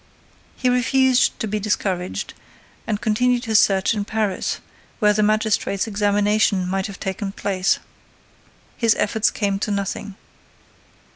He refused to be discouraged and continued his search in Paris, where the magistrate's examination might have taken place. His efforts came to nothing.